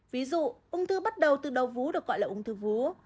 ví dụ ung thư bắt đầu từ đầu vú được gọi là ung thư vú